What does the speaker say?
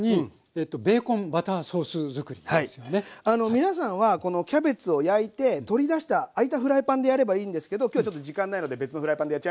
皆さんはキャベツを焼いて取り出した空いたフライパンでやればいいんですけど今日ちょっと時間ないので別のフライパンでやっちゃいます。